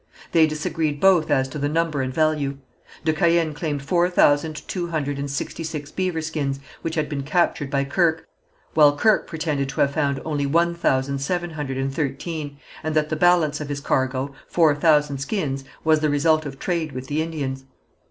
They disagreed both as to the number and value. De Caën claimed four thousand two hundred and sixty six beaver skins which had been captured by Kirke, while Kirke pretended to have found only one thousand seven hundred and thirteen, and that the balance of his cargo, four thousand skins, was the result of trade with the Indians.